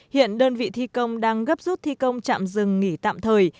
hiện đơn vị thi công đang gấp rút thi công trạm rừng nghỉ tạm thời